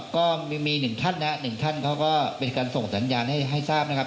ก็มีหนึ่งท่านนะหนึ่งท่านเขาก็เป็นการส่งสัญญาณให้ทราบนะครับ